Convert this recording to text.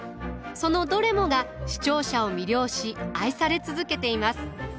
そのどれもが視聴者を魅了し愛され続けています。